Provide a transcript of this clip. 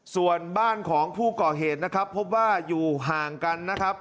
ส่วนบ้านของผู้ก่อเหตุนะครับพบว่าอยู่ห่างกันนะครับ